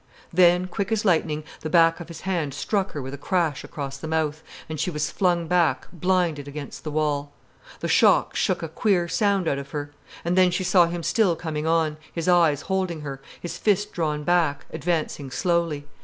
Then, quick as lightning, the back of his hand struck her with a crash across the mouth, and she was flung back blinded against the wall. The shock shook a queer sound out of her. And then she saw him still coming on, his eyes holding her, his fist drawn back, advancing slowly.